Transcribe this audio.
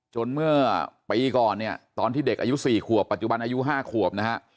จนเมื่อปีก่อนตอนที่เด็กอายุ๔ขวบปัจจุบันอายุ๕ขวบ